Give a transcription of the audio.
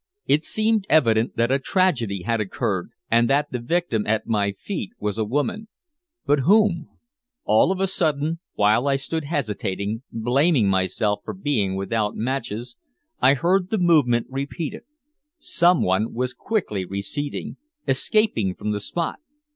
It seemed evident that a tragedy had occurred, and that the victim at my feet was a woman. But whom? Of a sudden, while I stood hesitating, blaming myself for being without matches, I heard the movement repeated. Someone was quickly receding escaping from the spot.